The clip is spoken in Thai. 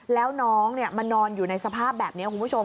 แล้วน้องมานอนอยู่ในสภาพแบบนี้คุณผู้ชม